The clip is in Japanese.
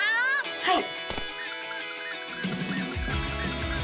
はい！